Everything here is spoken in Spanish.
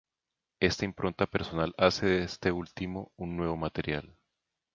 Esta impronta personal, hace de este último, un nuevo material.